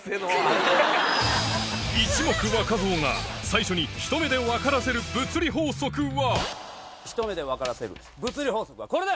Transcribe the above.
一目分造が最初にひと目でわからせる物理法則はこれだ！